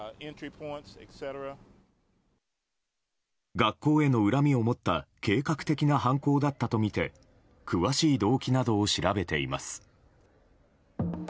学校への恨みを持った計画的な犯行だったとみて詳しい動機などを調べています。